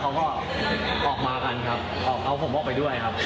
จังหวัดนั้นก็กลัวครับ